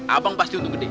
abang pasti untung gede